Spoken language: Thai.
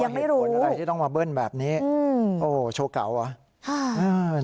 ยังไม่รู้ว่าเหตุผลอะไรที่ต้องมาเบิ้ลแบบนี้โอ้โฮโชคเก่าเหรอ